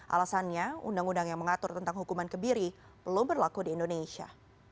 alasannya undang undang yang mengatur tentang hukuman kebiri belum berlaku di indonesia